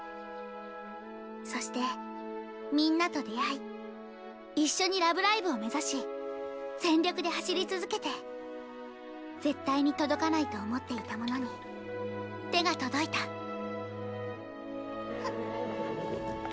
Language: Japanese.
そしてみんなと出会い一緒にラブライブを目指し全力で走り続けて絶対に届かないと思っていたものに手が届いたあっ。